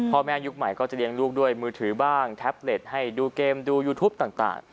ยุคใหม่ก็จะเลี้ยงลูกด้วยมือถือบ้างแท็บเล็ตให้ดูเกมดูยูทูปต่าง